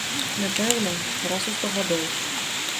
Напэўна, раз у сто гадоў.